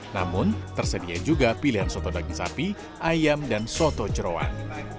namun tersedia juga pilihan soto daging sapi ayam dan soto jerawan